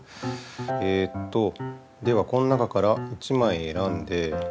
えっとではこの中から１枚えらんで。